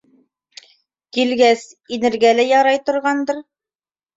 Килгәс, инергә лә ярай торғандыр.